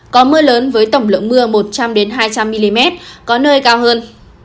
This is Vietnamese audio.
có mưa lớn với tổng lượng mưa một trăm linh hai trăm linh mm có nơi cao hơn